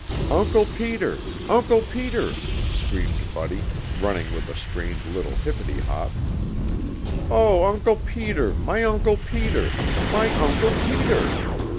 "Uncle Peter! Uncle Peter!" screamed Buddy, running with a strange little hippety hop. "O Uncle Peter! My Uncle Peter! My Uncle Peter!"